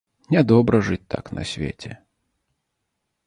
Нядобра жыць так на свеце.